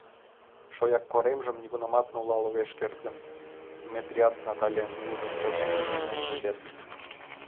Шояк коремжым нигунамат нулал огеш керт гын, Метрият Наталем ужын келшен илен ынже керт!